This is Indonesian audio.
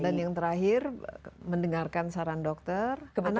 dan yang terakhir mendengarkan saran dokter anak sehat